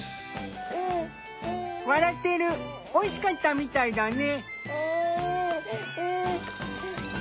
笑ってるおいしかったみたいだね。